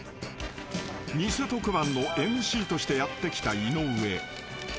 ［偽特番のＭＣとしてやって来た井上］